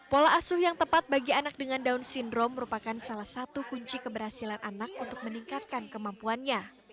pola asuh yang tepat bagi anak dengan down syndrome merupakan salah satu kunci keberhasilan anak untuk meningkatkan kemampuannya